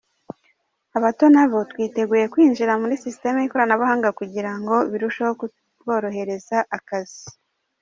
Abato nabo twiteguye kwinjira muri system y’ikoranabuhanga kugira ngo birusheho kuborohereza akazi".